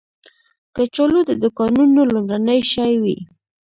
کچالو د دوکانونو لومړنی شی وي